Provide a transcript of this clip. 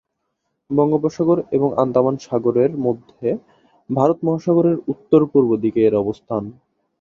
বঙ্গোপসাগর এবং আন্দামান সাগর এর মধ্যে ভারত মহাসাগরের উত্তর-পূর্ব দিকে এর অবস্থান।